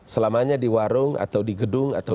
selamanya di warung atau di gedung atau